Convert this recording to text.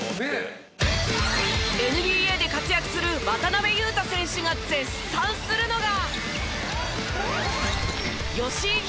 ＮＢＡで活躍する渡邊雄太選手が絶賛するのが。